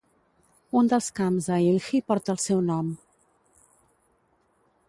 Un dels camps a Hilhi porta el seu nom.